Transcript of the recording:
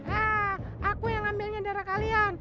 ah aku yang ambilnya darah kalian